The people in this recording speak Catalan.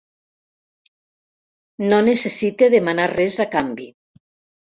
No necessite demanar res a canvi.